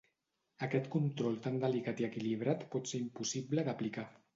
Aquest control tan delicat i equilibrat pot ser impossible d"aplicar.